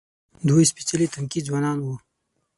دوی سپېڅلي تنکي ځوانان وو.